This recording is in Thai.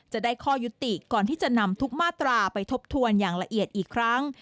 จะได้ข้อยุติก่อนที่จะนำทุกมาตราไปทบทวนอย่างละเอียดอีกครั้ง